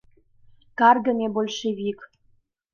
Каргыме большевик!..